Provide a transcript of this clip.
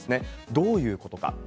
どういうことか。